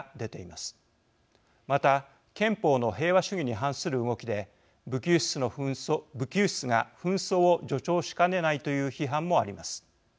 また憲法の平和主義に反する動きで武器輸出が紛争を助長しかねないという批判もあります。